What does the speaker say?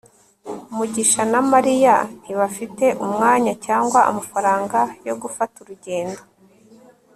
mugisha na mariya ntibafite umwanya cyangwa amafaranga yo gufata urugendo